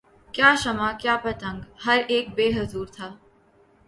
کیا شمع کیا پتنگ ہر اک بے حضور تھا